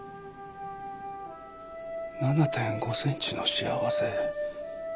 ７．５センチの倖せ。